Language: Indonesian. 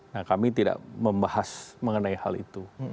nah kami tidak membahas mengenai hal itu